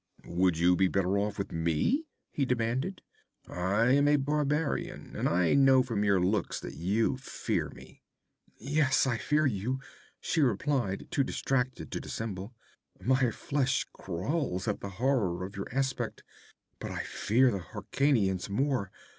'Would you be better off with me?' he demanded. 'I am a barbarian, and I know from your looks that you fear me.' 'Yes, I fear you,' she replied, too distracted to dissemble. 'My flesh crawls at the horror of your aspect. But I fear the Hyrkanians more.